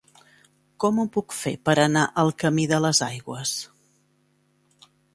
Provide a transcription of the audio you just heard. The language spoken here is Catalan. Com ho puc fer per anar al camí de les Aigües?